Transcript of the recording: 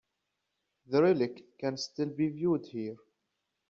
The relic can still be viewed here.